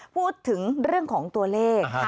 พูดถึงเรื่องของตัวเลข